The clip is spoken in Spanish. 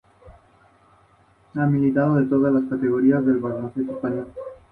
Ha militado en todas las categorías del baloncesto español.